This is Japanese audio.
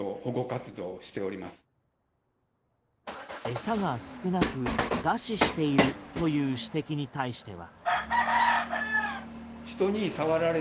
餌が少なく餓死しているという指摘に対しては。